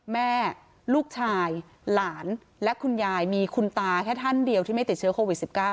แม่ลูกชายหลานและคุณยายมีคุณตาแค่ท่านเดียวที่ไม่ติดเชื้อโควิด๑๙